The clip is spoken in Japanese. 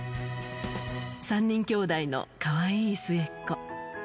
３人きょうだいのかわいい末っ子。